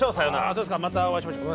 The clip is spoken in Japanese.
そうですかまたお会いしましょう。